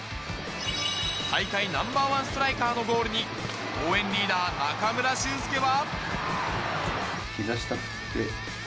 大会Ｎｏ．１ストライカーのゴールに応援リーダー中村俊輔は。